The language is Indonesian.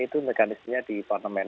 itu mekanisinya di parlemen